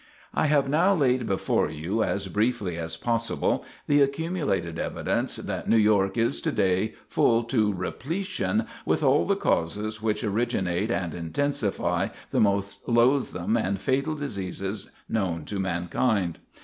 I have now laid before you, as briefly as possible, the accumulated evidence that New York is to day full to repletion with all the causes which originate and intensify the most loathsome and fatal diseases known to mankind.